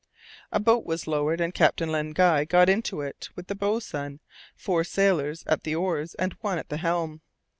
A boat was lowered, and Captain Len Guy got into it, with the boatswain, four sailors at the oars, and one at the helm.